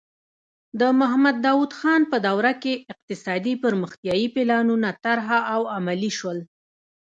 د محمد داؤد خان په دوره کې اقتصادي پرمختیايي پلانونه طرح او عملي شول.